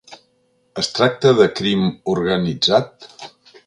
Es tracta de crim organitzat?